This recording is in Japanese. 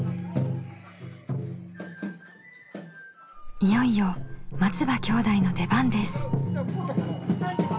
いよいよ松場兄弟の出番です。